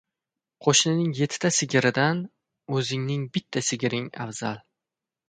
• Qo‘shnining yettita sigiridan o‘zingning bitta sigiring afzal.